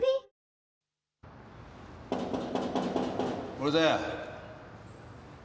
俺だよ。